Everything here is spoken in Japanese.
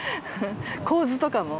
構図とかも。